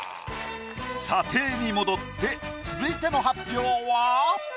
査定に戻って続いての発表は？